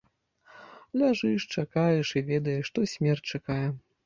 Ляжыш, чакаеш і ведаеш, што смерць чакае.